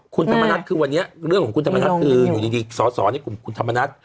คุณธรรมนัฐคือวันนี้เรื่องของคุณธรรมนัฐคืออยู่ดีสอสอในกลุ่มคุณธรรมนัฐ